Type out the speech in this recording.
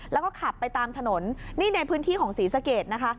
แล้วก็ขับไปตามถนนนี่ในพื้นที่ของศรีสะเกดนะคะ